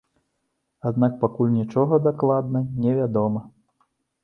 Аднак пакуль нічога дакладна не вядома.